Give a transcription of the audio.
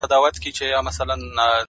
• له دغي لويي وچي وځم ـ